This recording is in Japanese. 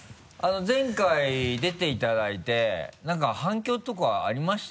前回出ていただいてなんか反響とかありました？